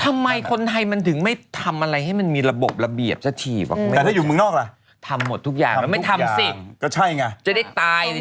อ้าค่ะเปลี่ยนหมดค่ะ